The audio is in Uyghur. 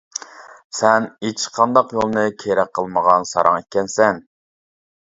سەن ھېچقانداق يولنى كېرەك قىلمىغان ساراڭ ئىكەنسەن!